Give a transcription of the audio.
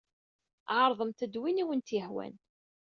Ɛeṛḍemt-d win ay awent-yehwan.